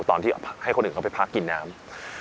ตอนที่ให้คนอื่นเขาไปพักกินน้ำ